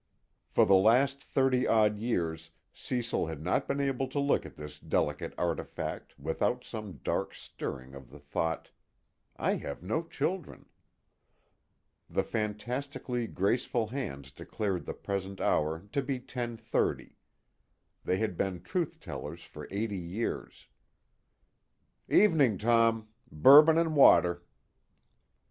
For the last thirty odd years Cecil had not been able to look on this delicate artifact without some dark stirring of the thought: I have no children. The fantastically graceful hands declared the present hour to be ten thirty; they had been truth tellers for eighty years. "Evening, Tom. Bourbon and water."